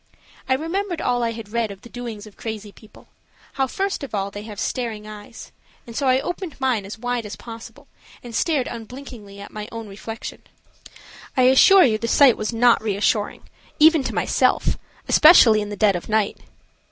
I remembered all I had read of the doings of crazy people, how first of all they have staring eyes, and so I opened mine as wide as possible and stared unblinkingly at my own reflection. I assure you the sight was not reassuring, even to myself, especially in the dead of night.